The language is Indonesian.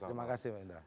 terima kasih pak indra